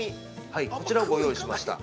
はい、こちらをご用意しました。